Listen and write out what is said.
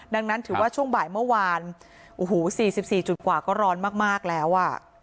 ดังนั้นถือว่าช่วงใบเมื่อวาน๔๔๙ก็ร้อนมากแล้ว